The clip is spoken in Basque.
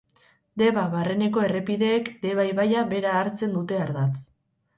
Debabarreneko errepideek Deba ibaia bera hartzen dute ardatz.